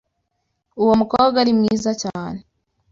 Uwo mukobwa ni mwiza cyane.